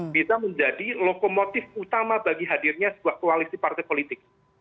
bisa menjadi lokomotif utama bagi hadirnya sebuah koalisi partai politik